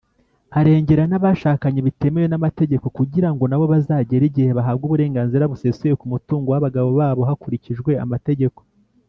arengera n’abashatse bitemewe n’amategeko kugira ngo nabo bazagere igihe bahabwa uburenganzira busesuye ku mutungo w’abagabo babo hakurikijwe amategeko.